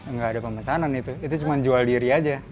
nggak ada pemesanan itu itu cuma jual diri aja